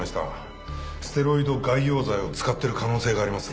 ステロイド外用剤を使っている可能性があります。